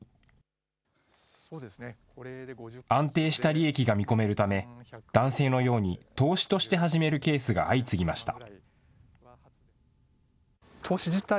安定した利益が見込めるため、男性のように投資として始めるケースが相次ぎました。